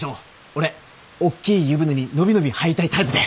俺おっきい湯船に伸び伸び入りたいタイプで。